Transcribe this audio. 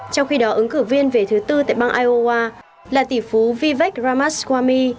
trong khi đó ứng cử viên về thứ tư tại bang iowa là tỷ phú vivek ramaswami